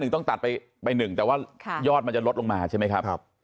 ต้องตัดไปหนึ่งแต่ว่ายอดมันจะลดลงมาใช่ไหมครับ